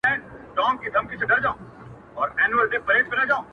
o په سترگو گوري، په زوى لوړي.